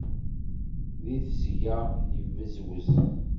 Di tesga yebbezwez.